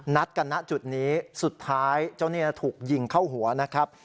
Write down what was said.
นัดกันณจุดนี้สุดท้ายเจ้าเนี่ยถูกยิงเข้าหัวนะครับ